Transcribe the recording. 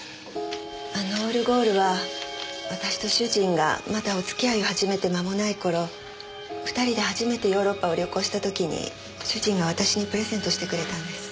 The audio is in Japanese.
あのオルゴールは私と主人がまだお付き合いを始めて間もない頃２人で初めてヨーロッパを旅行した時に主人が私にプレゼントしてくれたんです。